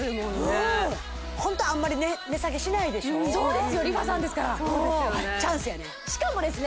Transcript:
うんホントあんまり値下げしないでしょそうですよＲｅＦａさんですからしかもですね